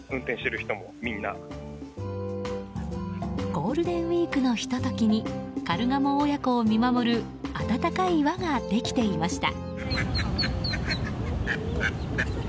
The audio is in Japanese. ゴールデンウィークのひと時にカルガモ親子を見守る温かい輪ができていました。